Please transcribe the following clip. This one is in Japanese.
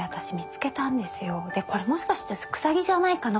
でこれもしかしてくさぎじゃないかな